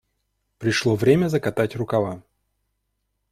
Пришло время закатать рукава.